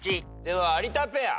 では有田ペア。